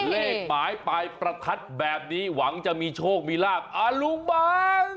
เลขหมายปลายประทัดแบบนี้หวังจะมีโชคมีลาบอลุบัง